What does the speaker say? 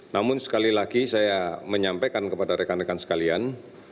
namun sekali lagi saya menyampaikan kepada rekan rekan sekalian